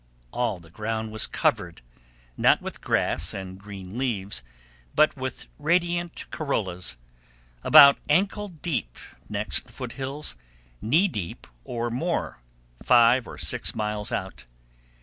All the ground was covered, not with grass and green leaves, but with radiant corollas, about ankle deep next the foot hills, knee deep or more five or six miles out.